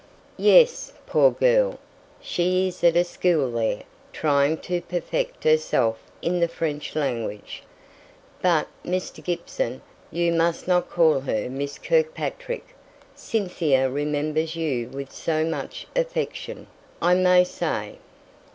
"Yes, poor girl; she is at school there, trying to perfect herself in the French language. But, Mr. Gibson, you must not call her Miss Kirkpatrick. Cynthia remembers you with so much affection, I may say.